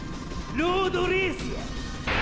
ロードレースや！